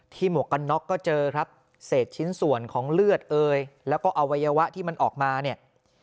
หมวกกันน็อกก็เจอครับเศษชิ้นส่วนของเลือดเอยแล้วก็อวัยวะที่มันออกมาเนี่ย